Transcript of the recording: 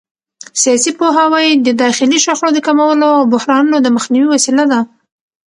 سیاسي پوهاوی د داخلي شخړو د کمولو او بحرانونو د مخنیوي وسیله ده